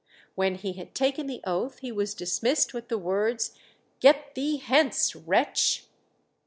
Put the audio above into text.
When he had taken the oath he was dismissed with the words, "Get thee hence, wretch!"